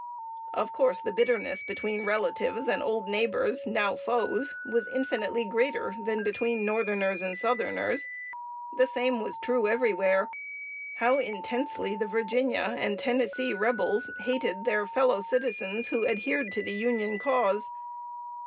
Of course, the bitterness between relatives and old neighbors, now foes, was infinitely greater than between northerners and southerners. The same was true everywhere. How intensely the Virginia and Tennessee Rebels hated their fellow citizens who adhered to the Union cause!